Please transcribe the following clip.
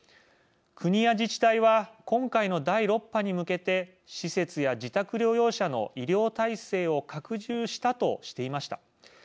国や自治体は今回の第６波に向けて施設や自宅療養者の医療体制を拡充したとしていました。